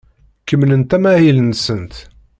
Kemmlent amahil-nsent.